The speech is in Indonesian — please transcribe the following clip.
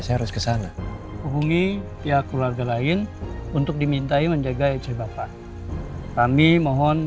saya harus kesana hubungi pihak keluarga lain untuk dimintai menjaga istri bapak kami mohon